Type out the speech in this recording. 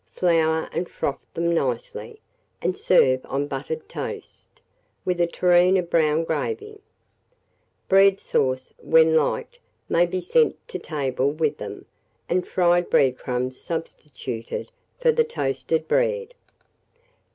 Flour and froth them nicely, and serve on buttered toast, with a tureen of brown gravy. Bread sauce, when liked, may be sent to table with them, and fried bread crumbs substituted for the toasted bread.